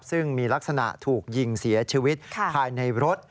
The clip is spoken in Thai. ซึ่งมีลักษณะถูกยิงเสียชีวิตภายในรถ